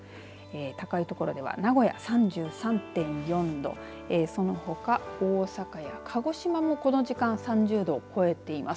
高いところでは名古屋３３．４度そのほか大阪や鹿児島もこの時間３０度を超えています。